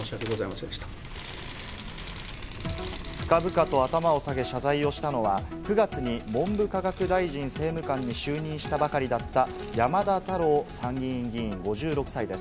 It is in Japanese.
深々と頭を下げ、謝罪をしたのは９月に文部科学大臣政務官に就任したばかりだった山田太郎参議院議員、５６歳。